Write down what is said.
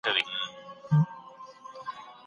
سياسي تقوا بايد په پام کي ونيول سي.